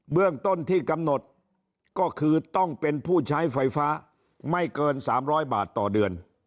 เรื่องต้นที่กำหนดก็คือต้องเป็นผู้ใช้ไฟฟ้าไม่เกิน๓๐๐บาทต่อเดือน